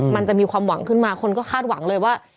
มันจะมีความหวังขึ้นมาคนก็คาดหวังเลยว่า